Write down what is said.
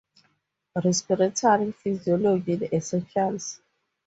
Respiratory Physiology: The Essentials.